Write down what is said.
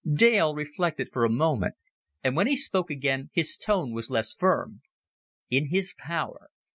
Dale reflected for a moment, and when he spoke again his tone was less firm. "In his power!